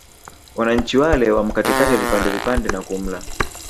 Wananchi wale wamkatekate vipande vipande na kumla